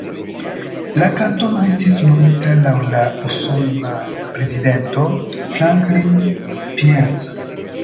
La kantono estis nomita laŭ la usona prezidento Franklin Pierce.